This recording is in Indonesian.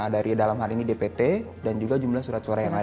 dari dalam hal ini dpt dan juga jumlah surat suara yang ada